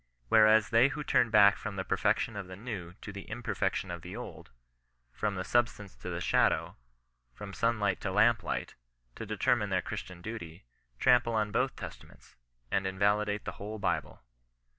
Whereas they who turn back from the per fection of the New to the imperfection of the Old — from the substance to the shadow — from sun light to lamp light, to determine their Christian duty, trample on both Testaments, and invalidate the whole Bible.